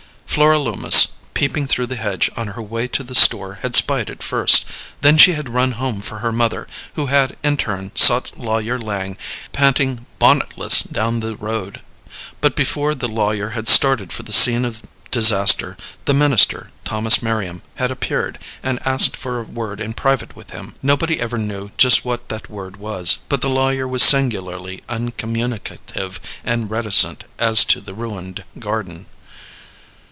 Flora Loomis, peeping through the hedge on her way to the store, had spied it first. Then she had run home for her mother, who had in turn sought Lawyer Lang, panting bonnetless down the road. But before the lawyer had started for the scene of disaster, the minister, Thomas Merriam, had appeared, and asked for a word in private with him. Nobody ever knew just what that word was, but the lawyer was singularly uncommunicative and reticent as to the ruined garden.